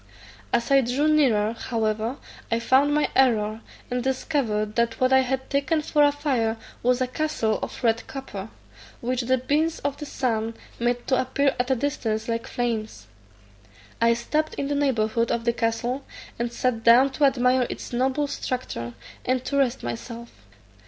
As I drew nearer, however, I found my error, and discovered that what I had taken for a fire was a castle of red copper, which the beams of the sun made to appear at a distance like flames. I stopped in the neighbourhood of the castle, and sat down to admire its noble structure, and to rest myself.